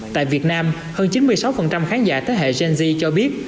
tại việt nam hơn chín mươi sáu khán giả thế hệ gen z cho biết